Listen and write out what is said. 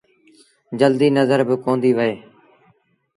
جلديٚ نزر باڪونديٚ وهي۔